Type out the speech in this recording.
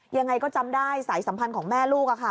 ยังไงก็จำได้สายสัมพันธ์ของแม่ลูก